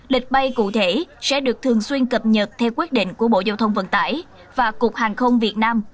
lịch bay cụ thể sẽ được thường xuyên cập nhật theo quyết định của bộ giao thông vận tải và cục hàng không việt nam